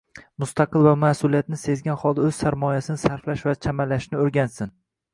• Mustaqil va mas’uliyatni sezgan holda o‘z sarmoyasini sarflash va chamalashni o‘rgansin;